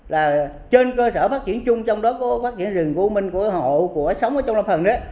là trên cơ sở phát triển chung trong đó có phát triển rừng u minh của hộ của sống ở trong lâm phần đó